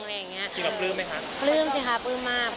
อะไรอย่างเงี้ยกับปลื้มไหมคะปลื้มสิค่ะปลื้มมาก